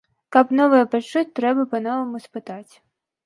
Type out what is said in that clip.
Каб новае пачуць, трэба па-новаму спытаць.